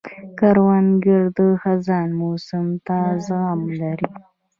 کروندګر د خزان موسم ته زغم لري